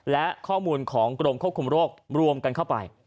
และข้อมูลของกรมควบคุมโรครวมกันเข้าไป